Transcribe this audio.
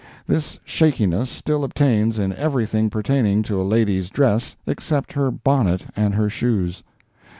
This shakiness still obtains in everything pertaining to a lady's dress except her bonnet and her shoes.